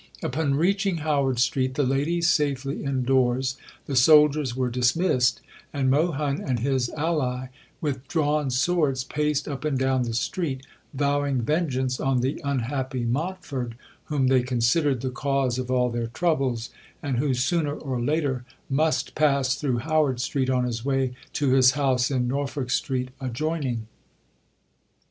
Upon reaching Howard Street, the ladies safely indoors, the soldiers were dismissed, and Mohun and his ally, with drawn swords, paced up and down the street, vowing vengeance on the unhappy Montford, whom they considered the cause of all their troubles, and who, sooner or later, must pass through Howard Street on his way to his house in Norfolk Street adjoining.